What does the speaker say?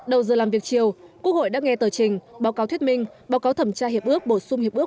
đầu giờ làm việc chiều quốc hội đã nghe tờ trình báo cáo thuyết minh báo cáo thẩm tra hiệp ước bổ sung hiệp ước